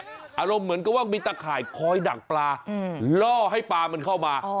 อารมณ์เหมือนกับว่ามีตะข่ายคอยดักปลาล่อให้ปลามันเข้ามา